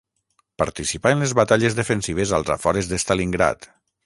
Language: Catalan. Participà en les batalles defensives als afores de Stalingrad.